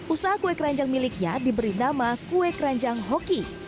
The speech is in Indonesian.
usaha kue keranjang miliknya diberi nama kue keranjang hoki